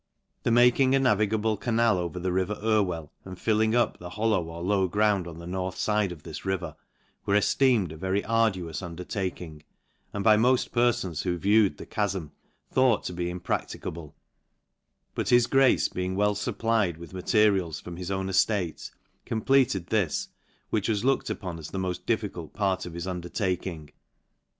The making a navigable canal over the river Ir weil, and filling up the hollow or low ground on the north fide of this river, were efleemed a very ar duous undertaking, and, by moft peffons who viewed the chafm, thought to be impracticable ; but his grace being well fupplied with materials from his own eftate, completed this, which was looked ,upon as the moft difficult part of his undertaking.